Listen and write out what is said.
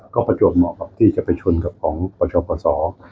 ก็ประโยชน์เหมาะกับที่จะไปชนกับของประชาประสอบ